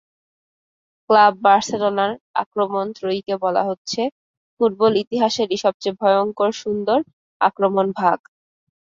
Club বার্সেলোনার আক্রমণ-ত্রয়ীকে বলা হচ্ছে ফুটবল ইতিহাসেরই সবচেয়ে ভয়ংকর সুন্দর আক্রমণভাগ।